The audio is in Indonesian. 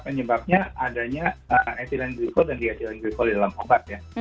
penyebabnya adanya ethylene gliko dan dietylene gliko di dalam obat ya